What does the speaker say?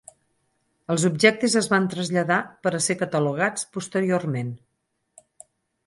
Els objectes es van traslladar per a ser catalogats posteriorment.